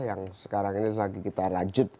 yang sekarang ini lagi kita rajut